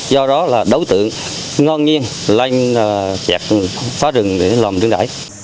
do đó là đấu tượng ngon nhiên lanh chặt phá rừng để làm nướng rãi